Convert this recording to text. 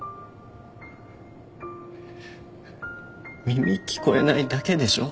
耳聞こえないだけでしょ？